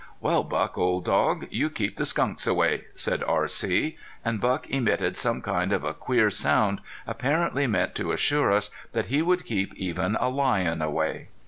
"Well, Buck, old dog, you keep the skunks away," said R.C. And Buck emitted some kind of a queer sound, apparently meant to assure us that he would keep even a lion away.